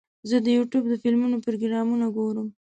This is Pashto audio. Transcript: زه د یوټیوب د فلمونو پروګرامونه ګورم.